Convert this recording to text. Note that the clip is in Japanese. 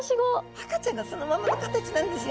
赤ちゃんがそのままの形なんですよ。